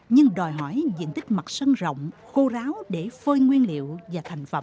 nhưng đòi hỏi diện tích mặt sân rộng khô ráo để phơi nguyên liệu và thành phẩm